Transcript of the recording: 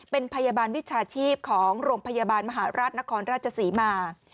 เป็นพยาบาลวิชาชีพของโรงพยาบาลมหาราชนครราชศรีมา